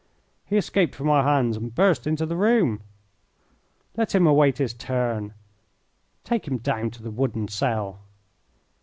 "He escaped from our hands and burst into the room." "Let him await his turn. Take him down to the wooden cell."